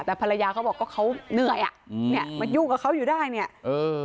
แต่ภรรยาเขาบอกว่าเขาเหนื่อยอ่ะอืมเนี้ยมายุ่งกับเขาอยู่ได้เนี่ยเออ